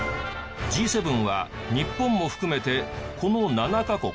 Ｇ７は日本も含めてこの７カ国。